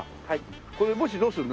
これもしどうするの？